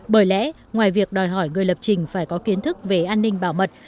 bởi lẽ ngoài việc đòi hỏi người lập trình phải có kiến thức về an ninh bảo mật